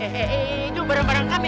he he he itu barang barang kami